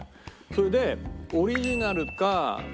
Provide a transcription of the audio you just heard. それでオリジナルか。